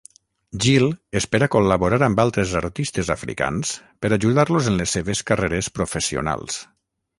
Gil espera col·laborar amb altres artistes africans per ajudar-los en les seves carreres professionals.